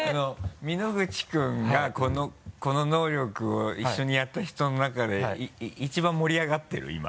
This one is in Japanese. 美濃口君がこの能力を一緒にやった人の中で一番盛り上がってる？